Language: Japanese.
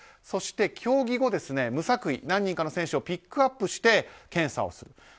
そして競技後、無作為何人かの選手をピックアップして検査をする。